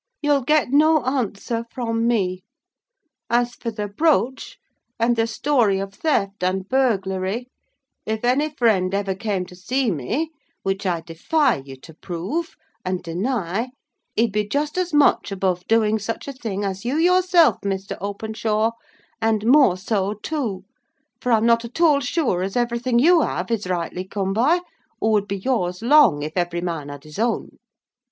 You'll get no answer from me. As for the brooch, and the story of theft and burglary; if any friend ever came to see me (which I defy you to prove, and deny), he'd be just as much above doing such a thing as you yourself, Mr. Openshaw, and more so, too; for I'm not at all sure as everything you have is rightly come by, or would be yours long, if every man had his own."